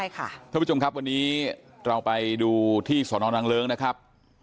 ท่านผู้ชมครับวันนี้เราไปดูที่สนนางเลิ้งนะครับ